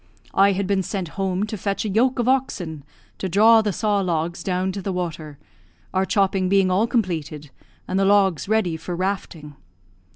I had been sent home to fetch a yoke of oxen to draw the saw logs down to the water, our chopping being all completed, and the logs ready for rafting.